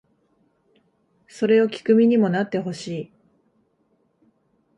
それを聴く身にもなってほしい